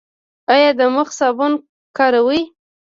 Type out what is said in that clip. ایا د مخ صابون کاروئ؟